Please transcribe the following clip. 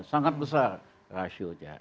sangat besar rasio nya